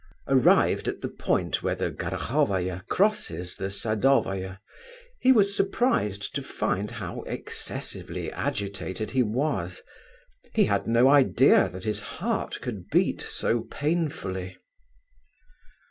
Arrived at the point where the Gorohovaya crosses the Sadovaya, he was surprised to find how excessively agitated he was. He had no idea that his heart could beat so painfully.